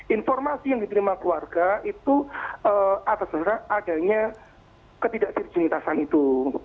informasi yang diterima keluarga itu atas dasar adanya ketidakserjunitasan itu